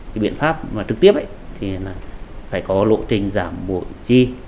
cái biện pháp trực tiếp thì phải có lộ trình giảm bộ chi